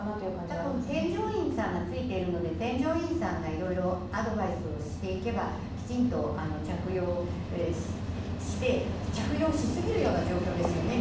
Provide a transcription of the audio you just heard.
たぶん添乗員さんがついているので、添乗員さんがいろいろアドバイスしていけばきちんと着用して、着用しすぎるような状況ですよね。